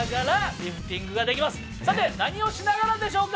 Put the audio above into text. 一体何をしながらでしょうか？